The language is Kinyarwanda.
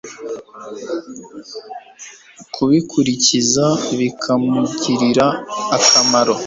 kubikurikiza bikamugirira akamaro